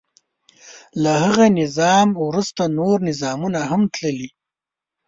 له هغه نظام وروسته نور نظامونه هم تللي.